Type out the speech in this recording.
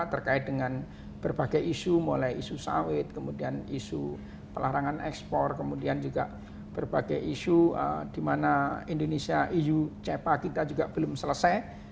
terkait dengan berbagai isu mulai isu sawit kemudian isu pelarangan ekspor kemudian juga berbagai isu di mana indonesia eu cepa kita juga belum selesai